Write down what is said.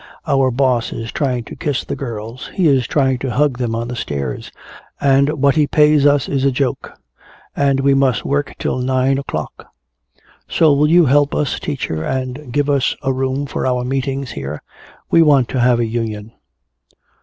Our boss is trying to kiss the girls, he is trying to hug them on the stairs. And what he pays us is a joke, and we must work till nine o'clock. So will you help us, teacher, and give us a room for our meetings here? We want to have a union."